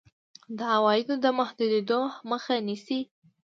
د عوایدو د محدودېدو مخه نیسي.